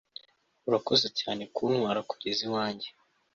urakoze cyane kuntwara kugeza iwanjye